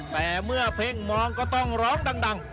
แต่เมื่อเพ่งมองก็ต้องร้องดัง